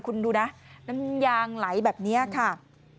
คุณดูนะน้ำยางไหลแบบนี้ค่ะ